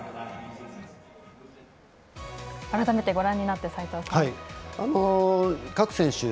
改めてご覧になって齋藤さん。